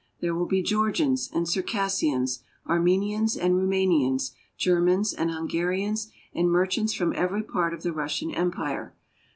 There will be Georgians and Circassians, Armenians and Roumanians, Germans and Hungarians, and merchants from every part of the Russian Empire.